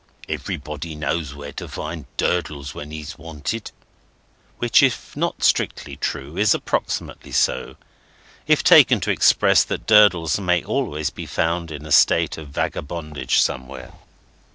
Everybody knows where to find Durdles, when he's wanted." Which, if not strictly true, is approximately so, if taken to express that Durdles may always be found in a state of vagabondage somewhere.